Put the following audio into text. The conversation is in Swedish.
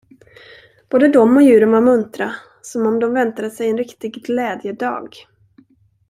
Både de och djuren var muntra, som om de väntade sig en riktig glädjedag.